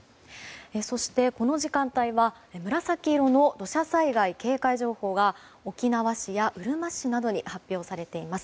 そして、この時間帯は紫色の土砂災害警戒情報が沖縄市や、うるま市などに発表されています。